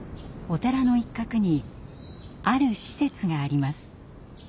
お寺の一角にある施設があります。